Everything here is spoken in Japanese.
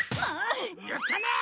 やったな？